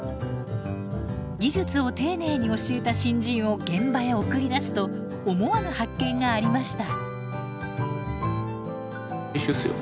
技術を丁寧に教えた新人を現場へ送り出すと思わぬ発見がありました。